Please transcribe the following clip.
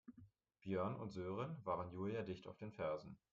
Björn und Sören waren Julia dicht auf den Fersen.